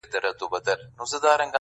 زه چي وګرځمه ځان کي جهان وینم،